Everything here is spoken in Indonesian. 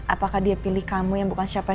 apakah dia pilih kamu yang bukan siapa